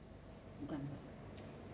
hai bukan kan